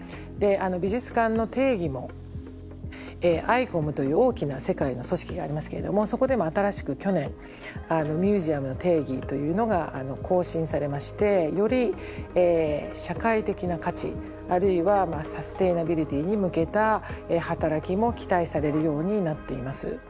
美術館の定義もＩＣＯＭという大きな世界の組織がありますけれどもそこで新しく去年ミュージアムの定義というのが更新されましてより社会的な価値あるいはサステナビリティに向けた働きも期待されるようになっています。